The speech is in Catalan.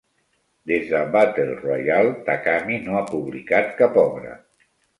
Des de "Battle Royale", Takami no ha publicat cap obra.